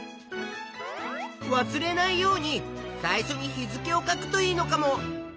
わすれないように最初に日付を書くといいのかも。